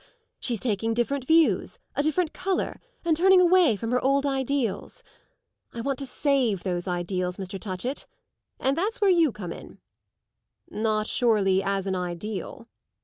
She's taking different views, a different colour, and turning away from her old ideals. I want to save those ideals, Mr. Touchett, and that's where you come in." "Not surely as an ideal?"